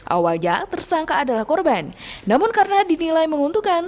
awalnya tersangka adalah korban namun karena dinilai menguntungkan